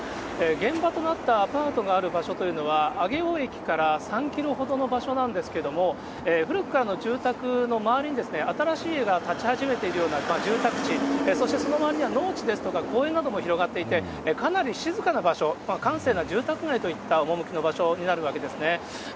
現場となったアパートがある場所というのは、上尾駅から３キロほどの場所なんですけれども、古くからの住宅の周りに新しい家が建ち始めているような住宅地、そしてその周りには農地ですとか、公園なども広がっていて、かなり静かな場所、閑静な住宅街といった趣の場所になるわけですね。